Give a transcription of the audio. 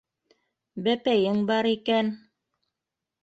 Бәпәйең бар икән...